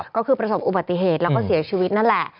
ก็คือประสบอุบัติเหตุแล้วก็เสียชีวิตนั่นแหละ